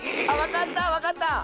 あわかった！